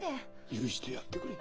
許してやってくれ。